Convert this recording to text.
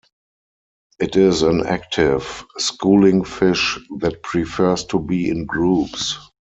It is an active, schooling fish that prefers to be in groups.